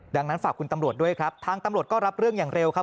ดังนั้นฝากคุณตำรวจด้วยครับทางตำรวจก็รับเรื่องอย่างเร็วครับ